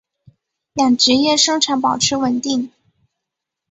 养殖业生产保持稳定。